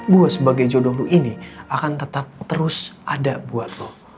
gue sebagai jodohmu ini akan tetap terus ada buat lo